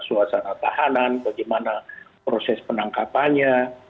suasana tahanan bagaimana proses penangkapannya